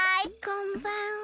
こんばんは。